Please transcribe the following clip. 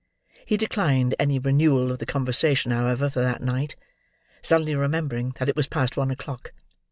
He declined any renewal of the conversation, however, for that night: suddenly remembering that it was past one o'clock.